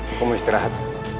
aku mau istirahat